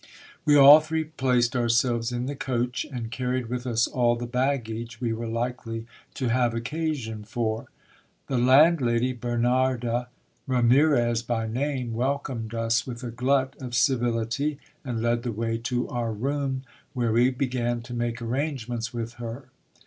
We all three placed ourselves in the coach, and carried with us all the baggage we were likely to have occasion for. The landlady, Bernarda Ramirez by name, welcomed us with a glut of civility, and led the way to our room, where we began to make arrangements with her.